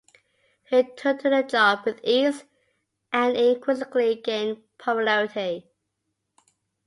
He took to the job with ease, and increasingly gained popularity.